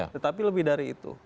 tetapi lebih dari itu